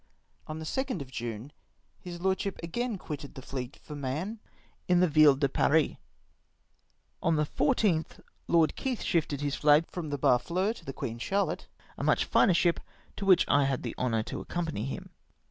On the 2nd of June, his lordship again quitted the fleet for Mahon, in the Ville de Paris. On the 14th Lord Keith shifted his flag from the Barfleur to the Queen Charlotte, a much finer ship, to which I had the honour to accompany him.